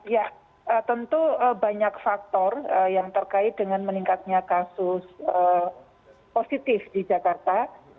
ya tentu banyak faktor yang terkait dengan meningkatnya kasus positif di jakarta